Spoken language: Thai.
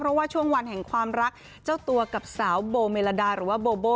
เพราะว่าช่วงวันแห่งความรักเจ้าตัวกับสาวโบเมลาดาหรือว่าโบโบ